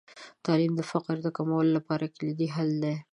تعلیم د فقر د کمولو لپاره کلیدي حل دی.